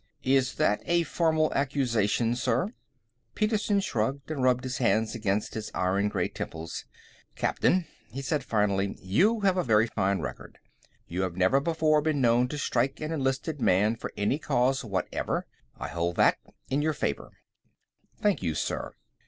"Is that a formal accusation, sir?" Petersen shrugged and rubbed his hands against his iron grey temples. "Captain," he said finally, "you have a very fine record. You have never before been known to strike an enlisted man for any cause whatever. I hold that in your favor." "Thank you, sir."